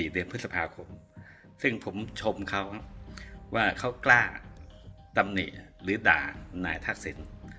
เดือนพฤษภาคมซึ่งผมชมเขาว่าเขากล้าตำหนิหรือด่านายทักษิณ